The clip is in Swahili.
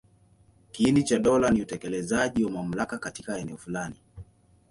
Kiini cha dola ni utekelezaji wa mamlaka katika eneo fulani.